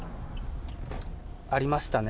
ありましたね。